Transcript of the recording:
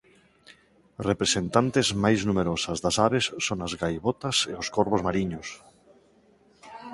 Representantes máis numerosas das aves son as gaivotas e os corvos mariños.